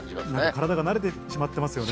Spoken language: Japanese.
体が慣れてしまってますよね。